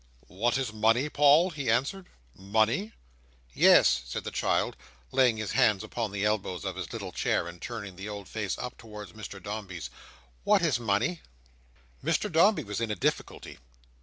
"What is money, Paul?" he answered. "Money?" "Yes," said the child, laying his hands upon the elbows of his little chair, and turning the old face up towards Mr Dombey's; "what is money?" Mr Dombey was in a difficulty.